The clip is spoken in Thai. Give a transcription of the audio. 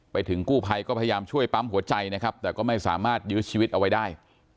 ไปถึงกู้ภัยก็พยายามช่วยปั๊มหัวใจนะครับแต่ก็ไม่สามารถยื้อชีวิตเอาไว้ได้